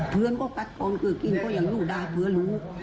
เพื่อนก็ปัดโตนก็กินอย่างหุ่นด้าเพื่อลุก